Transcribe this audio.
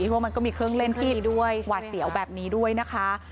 เพราะมันก็มีเครื่องเล่นที่ด้วยหวาดเสียวแบบนี้ด้วยนะคะ